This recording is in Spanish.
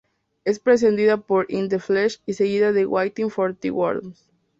Es precedida por "In The Flesh" y seguida de "Waiting for the Worms".